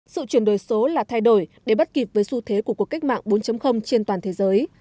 sự chuyển đổi số là thay đổi để bắt kịp với xu thế của cuộc cách mạng bốn trên toàn thế giới